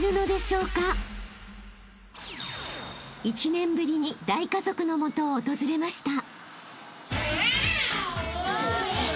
［１年ぶりに大家族の元を訪れました］